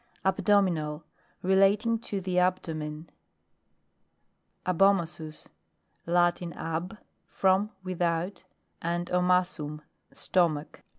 ABDOMINAL. Relating to the abdo men. ABOMASUS. Latin ab, from, without, and omassum, stomach.